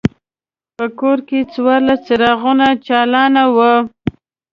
په کور کې څوارلس څراغونه چالان وو.